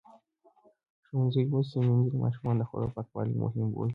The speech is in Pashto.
ښوونځې لوستې میندې د ماشومانو د خوړو پاکوالی مهم بولي.